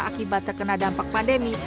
akibat terkena dampak pandemi